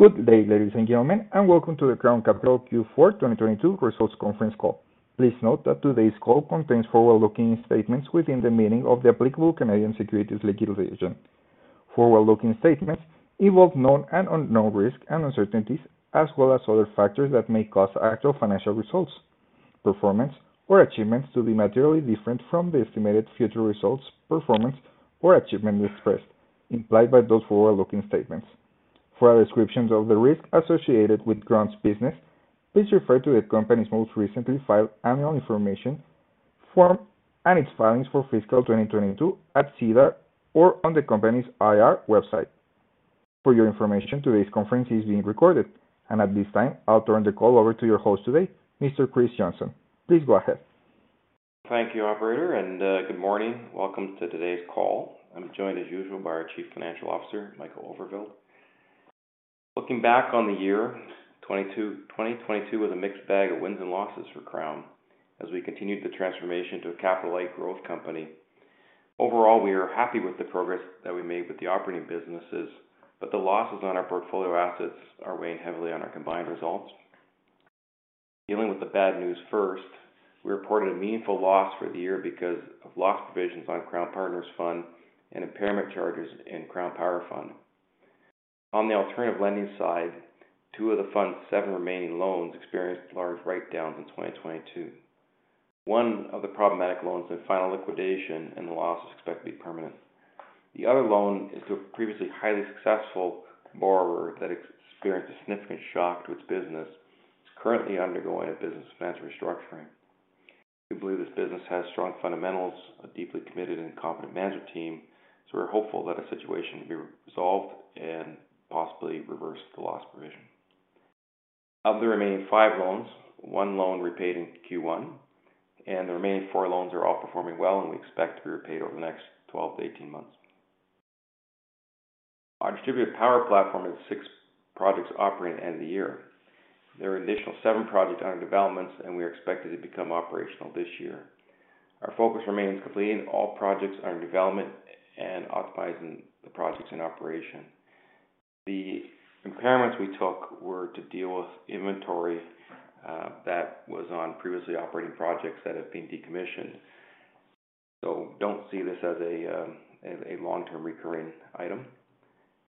Good day, ladies and gentlemen, and welcome to the Crown Capital Q4 2022 results conference call. Please note that today's call contains forward-looking statements within the meaning of the applicable Canadian securities legislation. Forward-looking statements involve known and unknown risks and uncertainties as well as other factors that may cause actual financial results, performance, or achievements to be materially different from the estimated future results, performance, or achievement expressed implied by those forward-looking statements. For a description of the risks associated with Crown's business, please refer to the company's most recently filed Annual Information Form and its filings for fiscal 2022 at SEDAR or on the company's IR website. For your information, today's conference is being recorded. At this time, I'll turn the call over to your host today, Mr. Chris Johnson. Please go ahead. Thank you, operator, and good morning. Welcome to today's call. I'm joined, as usual, by our Chief Financial Officer, Michael Overvelde. Looking back on the year, 2022 was a mixed bag of wins and losses for Crown as we continued the transformation to a capital-light growth company. Overall, we are happy with the progress that we made with the operating businesses, the losses on our portfolio assets are weighing heavily on our combined results. Dealing with the bad news first, we reported a meaningful loss for the year because of loss provisions on Crown Partners Fund and impairment charges in Crown Power Fund. On the alternative lending side, two of the fund's seven remaining loans experienced large write-downs in 2022. One of the problematic loans is in final liquidation, and the loss is expected to be permanent. The other loan is to a previously highly successful borrower that experienced a significant shock to its business. It's currently undergoing a business and financial restructuring. We believe this business has strong fundamentals, a deeply committed and competent management team. We're hopeful that our situation will be resolved and possibly reverse the loss provision. Of the remaining five loans, one loan repaid in Q1. The remaining four loans are all performing well and we expect to be repaid over the next 12 to 18 months. Our distributed power platform has 6 projects operating at the end of the year. There are additional seven projects under development. We are expected to become operational this year. Our focus remains completing all projects under development and optimizing the projects in operation. The impairments we took were to deal with inventory that was on previously operating projects that have been decommissioned. Don't see this as a long-term recurring item,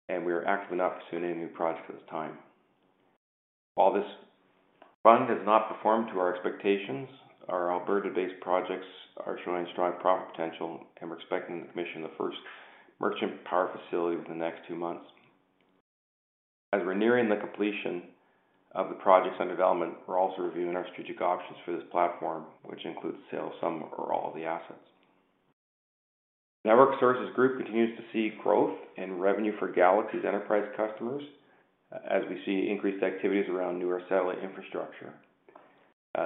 and we are actively not pursuing any new projects at this time. While this fund has not performed to our expectations, our Alberta-based projects are showing strong profit potential, and we're expecting to commission the first merchant power facility within the next two months. As we're nearing the completion of the projects and development, we're also reviewing our strategic options for this platform, which includes sale of some or all of the assets. Network Services Group continues to see growth in revenue for Galaxy's enterprise customers as we see increased activities around newer satellite infrastructure.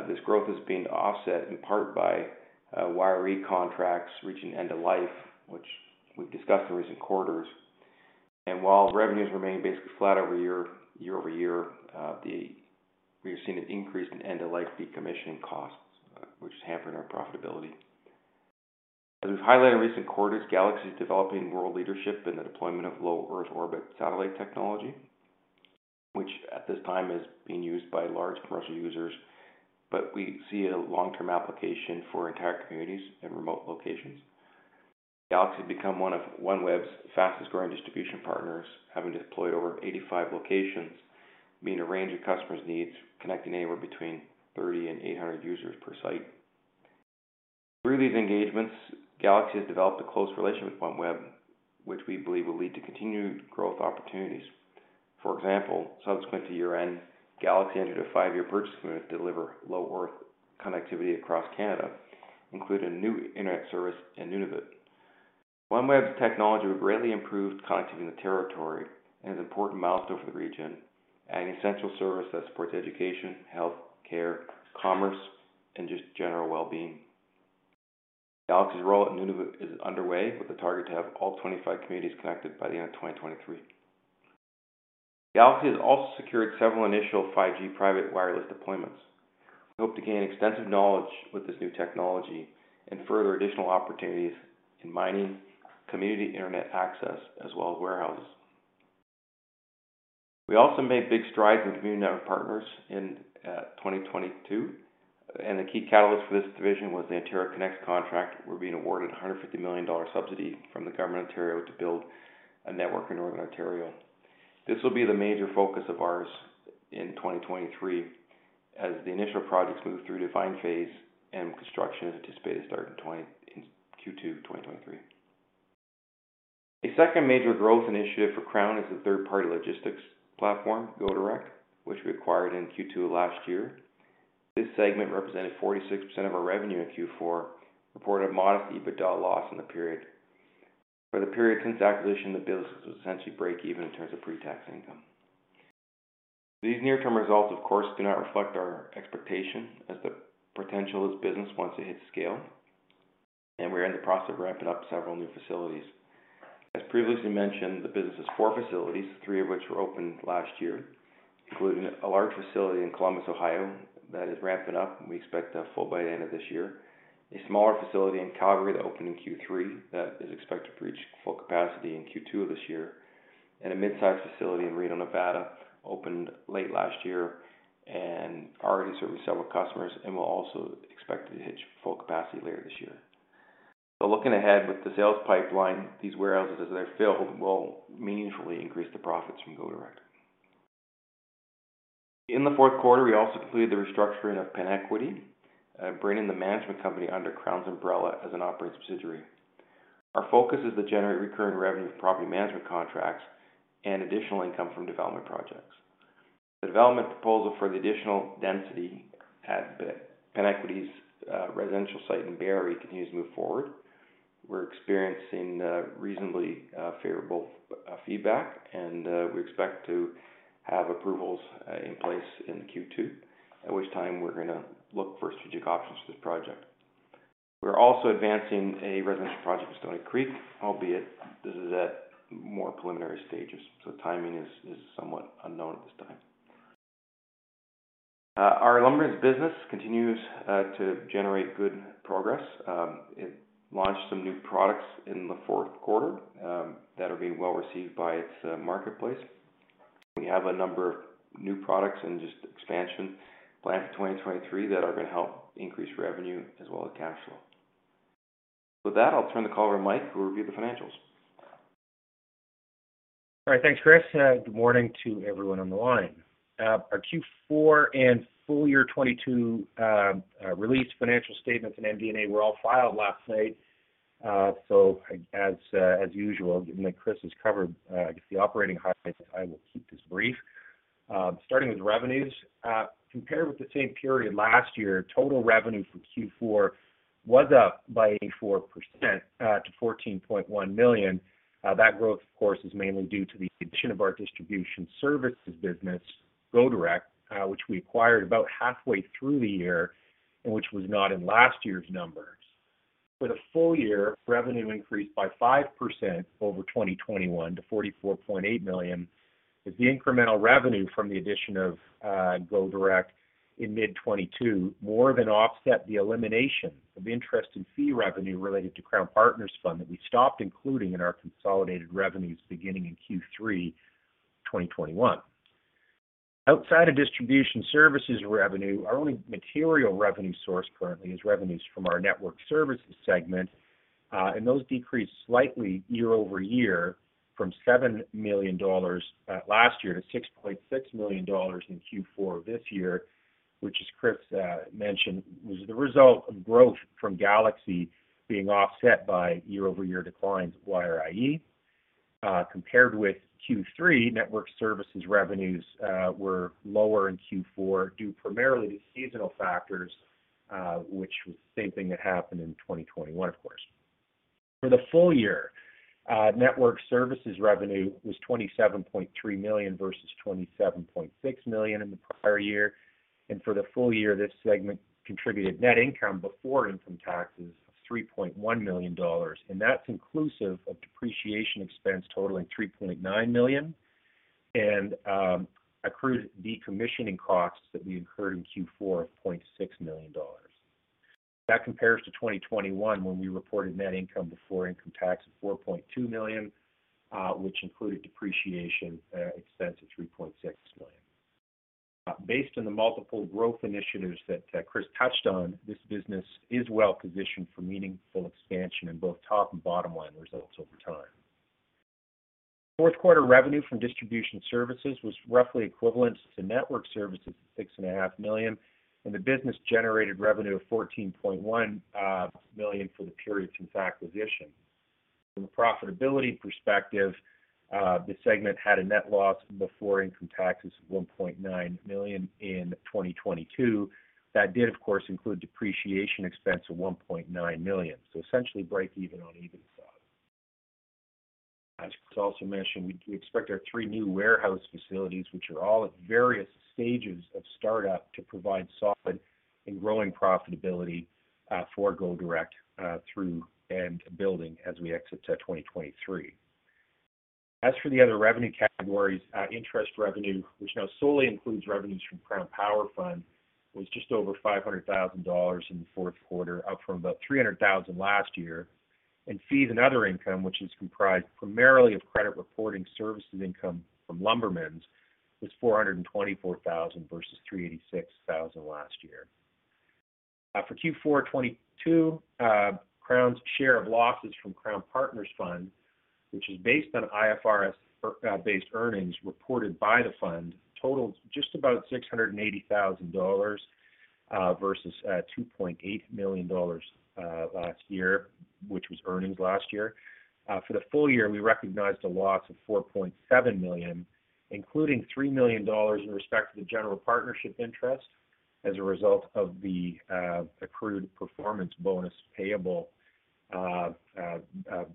This growth is being offset in part by WireIE contracts reaching end of life, which we've discussed in recent quarters. While revenues remain basically flat year-over-year, we are seeing an increase in end-of-life decommissioning costs, which is hampering our profitability. As we've highlighted in recent quarters, Galaxy is developing world leadership in the deployment of low Earth orbit satellite technology, which at this time is being used by large commercial users, but we see a long-term application for entire communities in remote locations. Galaxy has become one of OneWeb's fastest-growing distribution partners, having deployed over 85 locations, meeting a range of customers' needs, connecting anywhere between 30 and 800 users per site. Through these engagements, Galaxy has developed a close relationship with OneWeb, which we believe will lead to continued growth opportunities. For example, subsequent to year-end, Galaxy entered a five-year purchase commitment to deliver low Earth connectivity across Canada, including a new internet service in Nunavut. OneWeb's technology greatly improved connectivity in the territory and is an important milestone for the region, an essential service that supports education, health, care, commerce, and just general well-being. Galaxy's role at Nunavut is underway with a target to have all 25 communities connected by the end of 2023. Galaxy has also secured several initial 5G private wireless deployments. We hope to gain extensive knowledge with this new technology and further additional opportunities in mining, community internet access, as well as warehouses. We also made big strides with Community Network Partners in 2022, and the key catalyst for this division was the Ontario Connects contract. We're being awarded a 150 million dollar subsidy from the Government of Ontario to build a network in Northern Ontario. This will be the major focus of ours in 2023 as the initial projects move through defined phase and construction is anticipated to start in Q2 2023. A second major growth initiative for Crown is the third-party logistics platform, GoDirect, which we acquired in Q2 last year. This segment represented 46% of our revenue in Q4, reported a modest EBITDA loss in the period. For the period since acquisition, the business was essentially break even in terms of pre-tax income. These near-term results, of course, do not reflect our expectation as the potential of this business once it hits scale. We're in the process of ramping up several new facilities. As previously mentioned, the business has four facilities, three of which were opened last year, including a large facility in Columbus, Ohio that is ramping up, and we expect a full by the end of this year. A smaller facility in Calgary that opened in Q3 that is expected to reach full capacity in Q2 of this year, and a mid-size facility in Reno, Nevada opened late last year and already serving several customers, and we're also expected to hit full capacity later this year. Looking ahead with the sales pipeline, these warehouses as they're filled will meaningfully increase the profits from GoDirect. In the fourth quarter, we also completed the restructuring of PenEquity, bringing the management company under Crown's umbrella as an operating subsidiary. Our focus is to generate recurring revenue from property management contracts and additional income from development projects. The development proposal for the additional density at the PenEquity's residential site in Barrie continues to move forward. We're experiencing reasonably favorable feedback. We expect to have approvals in place in Q2, at which time we're gonna look for strategic options for this project. We're also advancing a residential project in Stoney Creek, albeit this is at more preliminary stages, so timing is somewhat unknown at this time. Our Lumbermen's business continues to generate good progress. It launched some new products in the fourth quarter that are being well-received by its marketplace. We have a number of new products and just expansion planned for 2023 that are gonna help increase revenue as well as cash flow. With that, I'll turn the call over to Mike, who will review the financials. All right. Thanks, Chris. Good morning to everyone on the line. Our Q4 and full year 2022 release financial statements and MD&A were all filed last night. As usual, given that Chris has covered, I guess the operating highlights, I will keep this brief. Starting with revenues, compared with the same period last year, total revenue for Q4 was up by 84%, to 14.1 million. That growth, of course, is mainly due to the addition of our distribution services business, GoDirect, which we acquired about halfway through the year and which was not in last year's numbers. For the full year, revenue increased by 5% over 2021 to 44.8 million as the incremental revenue from the addition of GoDirect in mid-2022 more than offset the elimination of interest in fee revenue related to Crown Partners Fund that we stopped including in our consolidated revenues beginning in Q3 2021. Outside of distribution services revenue, our only material revenue source currently is revenues from our Network Services segment, and those decreased slightly year-over-year from 7 million dollars last year to 6.6 million dollars in Q4 this year, which as Chris mentioned, was the result of growth from Galaxy being offset by year-over-year declines of WireIE. Compared with Q3, Network Services revenues were lower in Q4 due primarily to seasonal factors, which was the same thing that happened in 2021, of course. For the full year, Network Services revenue was 27.3 million versus 27.6 million in the prior year. For the full year, this segment contributed net income before income taxes of 3.1 million dollars, and that's inclusive of depreciation expense totaling 3.9 million and accrued decommissioning costs that we incurred in Q4 of 0.6 million dollars. That compares to 2021 when we reported net income before income tax of 4.2 million, which included depreciation expense of 3.6 million. Based on the multiple growth initiatives that Chris touched on, this business is well positioned for meaningful expansion in both top and bottom-line results over time. Fourth quarter revenue from distribution services was roughly equivalent to Network Services at $6.5 million, and the business generated revenue of $14.1 million for the period since acquisition. From a profitability perspective, this segment had a net loss before income taxes of $1.9 million in 2022. That did, of course, include depreciation expense of $1.9 million, so essentially breakeven on EBITDA. As Chris also mentioned, we expect our three new warehouse facilities, which are all at various stages of startup, to provide solid and growing profitability for GoDirect through and building as we exit to 2023. As for the other revenue categories, interest revenue, which now solely includes revenues from Crown Power Fund, was just over 500,000 dollars in the fourth quarter, up from about 300,000 last year. Fees and other income, which is comprised primarily of credit reporting services income from Lumbermen's, was 424,000 versus 386,000 last year. For Q4 2022, Crown's share of losses from Crown Partners Fund, which is based on IFRS based earnings reported by the fund, totaled just about 680,000 dollars versus 2.8 million dollars last year, which was earnings last year. For the full year, we recognized a loss of 4.7 million, including 3 million dollars in respect to the accrued performance bonus payable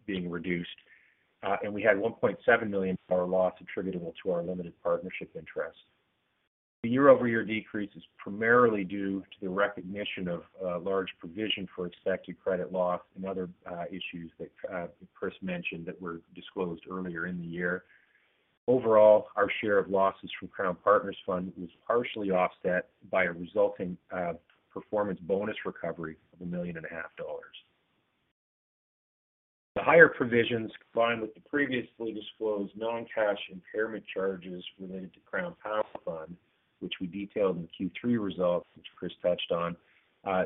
being reduced. We had 1.7 million for our loss attributable to our limited partnership interest. The year-over-year decrease is primarily due to the recognition of a large provision for expected credit loss and other issues that Chris mentioned that were disclosed earlier in the year. Overall, our share of losses from Crown Partners Fund was partially offset by a resulting performance bonus recovery of CAD a million and a half dollars. The higher provisions, combined with the previously disclosed non-cash impairment charges related to Crown Partners Fund, which we detailed in Q3 results, which Chris touched on,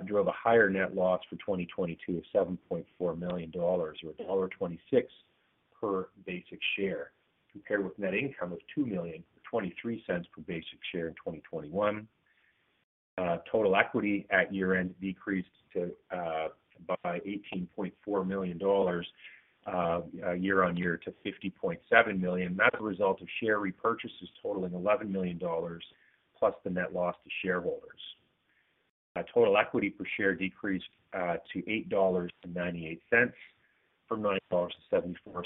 drove a higher net loss for 2022 of 7.4 million dollars or dollar 1.26 per basic share, compared with net income of 2 million or 0.23 per basic share in 2021. Total equity at year-end decreased to, by 18.4 million dollars year-on-year to 50.7 million. That's a result of share repurchases totaling 11 million dollars plus the net loss to shareholders. Total equity per share decreased to 8.98 dollars from 9.74 dollars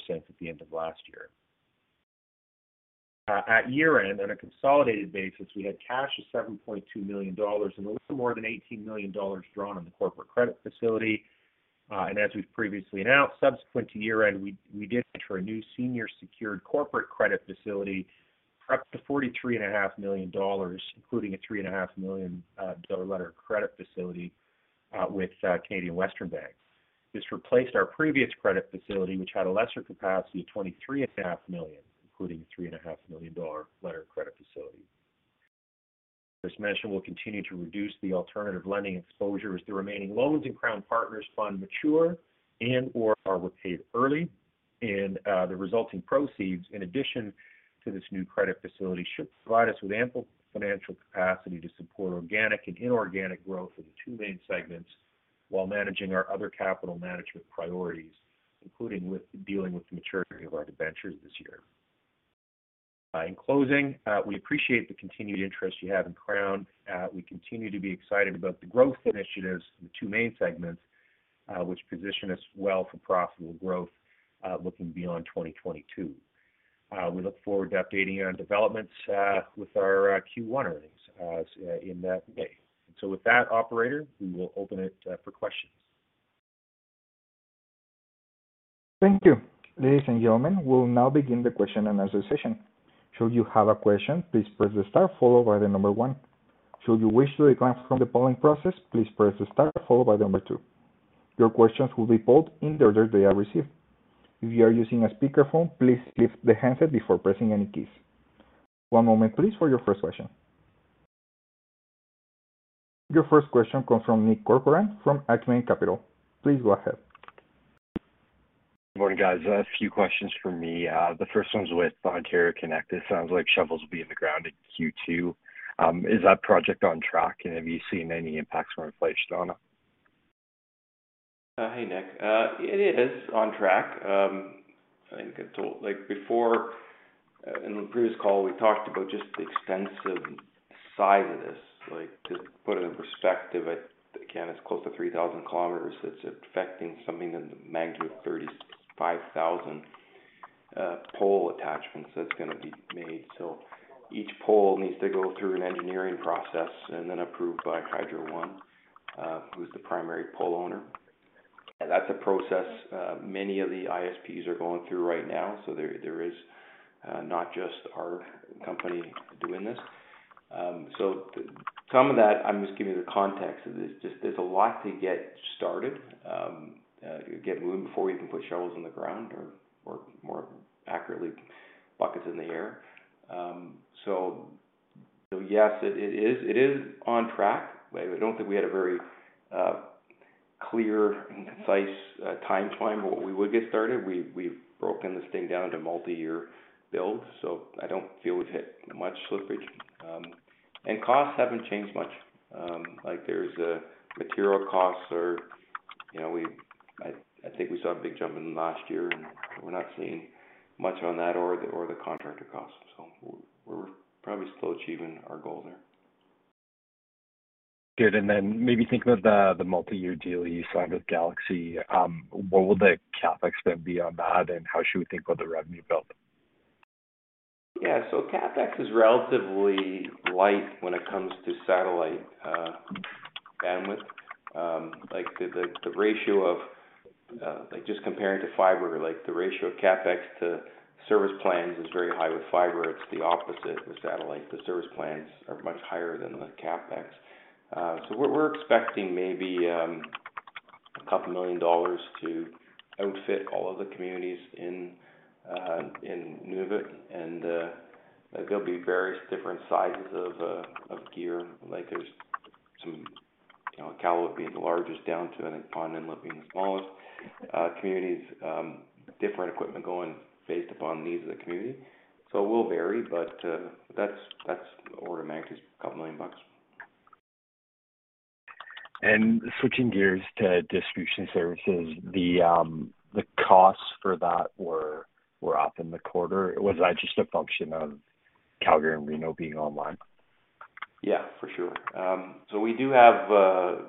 at the end of last year. At year-end, on a consolidated basis, we had cash of $7.2 million and a little more than $18 million drawn on the corporate credit facility. As we've previously announced, subsequent to year-end, we did enter a new senior secured corporate credit facility for up to $43.5 million, including a $3.5 million dollar letter of credit facility, with Canadian Western Bank. This replaced our previous credit facility, which had a lesser capacity of $23.5 million, including $3.5 million dollar letter of credit facility. As mentioned, we'll continue to reduce the alternative lending exposure as the remaining loans in Crown Partners Fund mature and/or are repaid early. The resulting proceeds, in addition to this new credit facility, should provide us with ample financial capacity to support organic and inorganic growth in the two main segments while managing our other capital management priorities, including with dealing with the maturity of our debentures this year. In closing, we appreciate the continued interest you have in Crown. We continue to be excited about the growth initiatives in the two main segments, which position us well for profitable growth, looking beyond 2022. We look forward to updating you on developments with our Q1 earnings. With that, operator, we will open it for questions. Thank you. Ladies and gentlemen, we'll now begin the question and answer session. Should you have a question, please press star followed by the number one. Should you wish to withdraw from the polling process, please press star followed by the number two. Your questions will be polled in the order they are received. If you are using a speakerphone, please lift the handset before pressing any keys. One moment please for your first question. Your first question comes from Nick Corcoran from Acumen Capital Partners. Please go ahead. Good morning, guys. A few questions from me. The first one's with Ontario Connects. It sounds like shovels will be in the ground in Q2. Is that project on track? Have you seen any impacts from inflation on it? Hey, Nick. It is on track. I think Like before, in the previous call, we talked about just the extensive size of this. Like, to put it in perspective, again, it's close to 3,000 kilometers. It's affecting something in the magnitude of 35,000 pole attachments that's going to be made. Each pole needs to go through an engineering process and then approved by Hydro One, who's the primary pole owner. That's a process many of the ISPs are going through right now. There is not just our company doing this. Some of that, I'm just giving the context of this. Just there's a lot to get started, get moving before we can put shovels in the ground or more accurately, buckets in the air. Yes, it is on track. I don't think we had a very clear and concise time frame when we would get started. We've broken this thing down into multi-year builds. I don't feel we've hit much slippage. Costs haven't changed much. Like there's material costs are, you know, I think we saw a big jump in last year. We're not seeing much on that or the contractor costs. We're probably still achieving our goal there. Good. Maybe thinking of the multi-year deal you signed with Galaxy, what will the CapEx then be on that, and how should we think about the revenue build? Yeah. CapEx is relatively light when it comes to satellite bandwidth. Like the ratio of, like just comparing to fiber, like the ratio of CapEx to service plans is very high. With fiber, it's the opposite. With satellite, the service plans are much higher than the CapEx. We're expecting maybe 2 million dollars to outfit all of the communities in Nunavut. There'll be various different sizes of gear. Like there's some, you know, Iqaluit being the largest down to then Pond Inlet being the smallest communities. Different equipment going based upon the needs of the community. It will vary, but that's order of magnitude, 2 million bucks. Switching gears to distribution services, the costs for that were up in the quarter. Was that just a function of Calgary and Reno being online? Yeah, for sure. We do have.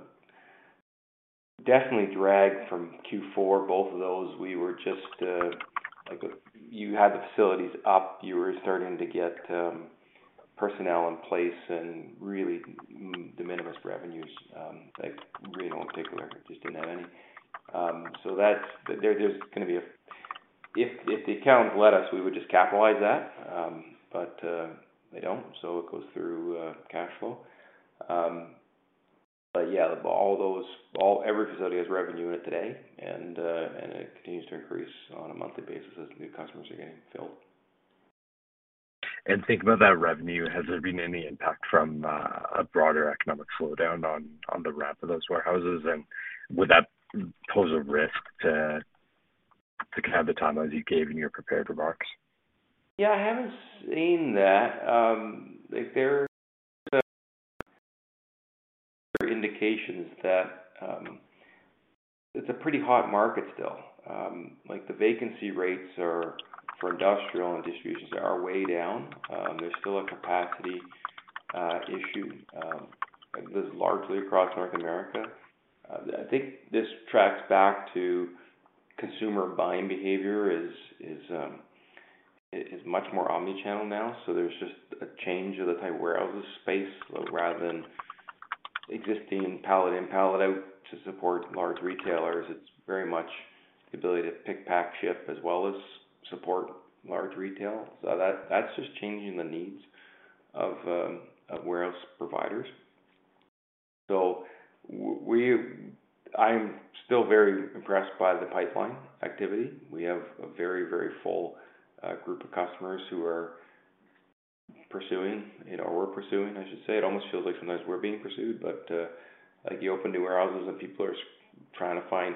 Definitely dragged from Q4, both of those. We were just, You had the facilities up, you were starting to get personnel in place and really de minimis revenues, really no particular, just didn't have any. If the accounts let us, we would just capitalize that, but they don't, so it goes through cash flow. Yeah, all those. Every facility has revenue in it today, and it continues to increase on a monthly basis as new customers are getting filled. Thinking about that revenue, has there been any impact from a broader economic slowdown on the ramp of those warehouses, and would that pose a risk to kind of the timeline you gave in your prepared remarks? Yeah, I haven't seen that. Like there are indications that it's a pretty hot market still. Like the vacancy rates are, for industrial and distributions are way down. There's still a capacity issue, this is largely across North America. I think this tracks back to consumer buying behavior is much more omni-channel now, so there's just a change of the type of warehouse space. Rather than existing pallet in, pallet out to support large retailers, it's very much the ability to pick, pack, ship, as well as support large retail. That's just changing the needs of warehouse providers. I'm still very impressed by the pipeline activity. We have a very full group of customers who are pursuing, you know, or we're pursuing, I should say. It almost feels like sometimes we're being pursued, but like you open new warehouses and people are trying to find.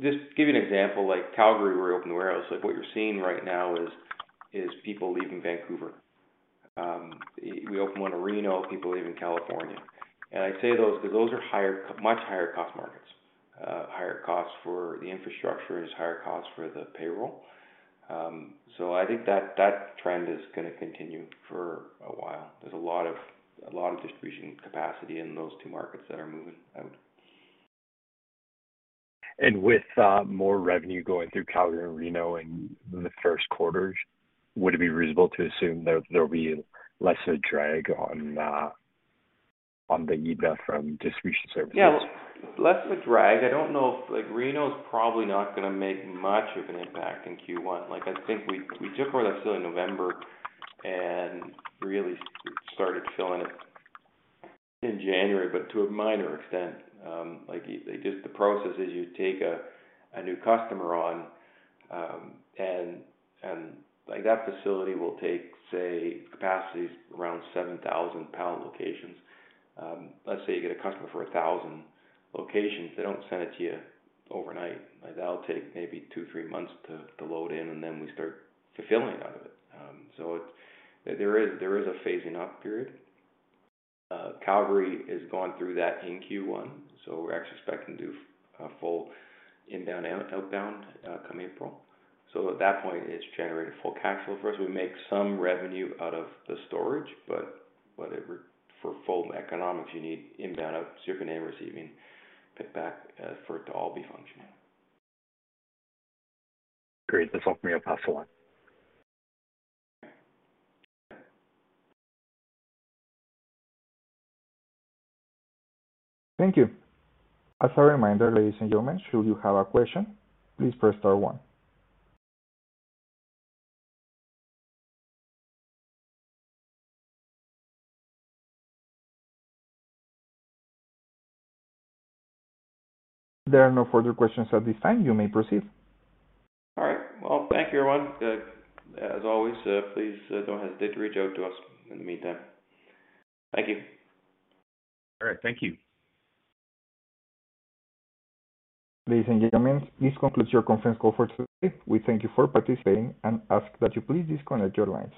Just give you an example, like Calgary, we opened a warehouse. What you're seeing right now is people leaving Vancouver. You open one in Reno, people leave in California. I say those because those are higher, much higher cost markets. Higher costs for the infrastructure, there's higher costs for the payroll. I think that trend is gonna continue for a while. There's a lot of distribution capacity in those two markets that are moving out. With, more revenue going through Calgary and Reno in the first quarters, would it be reasonable to assume there'll be less of a drag on the EBITDA from distribution services? Yeah. Less of a drag. I don't know if like Reno's probably not gonna make much of an impact in Q1. Like I think we took over that facility in November and really started filling it in January, but to a minor extent. Like just the process is you take a new customer on, and like that facility will take, say, capacity is around 7,000 pallet locations. Let's say you get a customer for 1,000 locations, they don't send it to you overnight. Like that'll take maybe two, three months to load in, and then we start fulfilling out of it. So it. There is a phasing up period. Calgary is going through that in Q1, so we're actually expecting to do a full inbound, outbound, come April. At that point, it's generating full cash flow for us. We make some revenue out of the storage, but whether we're. For full economics, you need inbound, out. You're gonna end receiving, pick back for it to all be functioning. Great. This is all for me, thanks a lot. Thank you. As a reminder, ladies and gentlemen, should you have a question, please press star one. There are no further questions at this time. You may proceed. All right. Thank you everyone. As always, please, don't hesitate to reach out to us in the meantime. Thank you. All right. Thank you. Ladies and gentlemen, this concludes your conference call for today. We thank you for participating and ask that you please disconnect your lines.